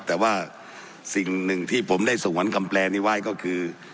แต่ว่าสิ่งหนึ่งที่ผมได้สงวนคำแปลนี้ไว้ก็คือ